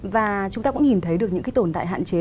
và chúng ta cũng nhìn thấy được những cái tồn tại hạn chế